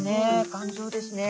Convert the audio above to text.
頑丈ですね。